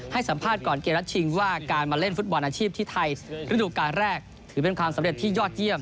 ให้สัมภาษณ์ก่อนเกมรับชิงว่าการมาเล่นฟุตบอลอาชีพที่ไทยฤดูการแรกถือเป็นความสำเร็จที่ยอดเยี่ยม